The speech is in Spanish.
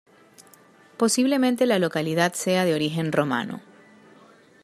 Posiblemente la localidad sea de origen romano.